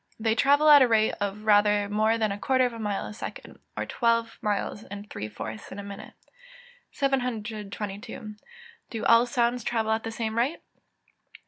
_ They travel at a rate of rather more than a quarter of a mile in a second, or twelve miles and three fourths in a minute. 722. _Do all sounds travel at the same rate?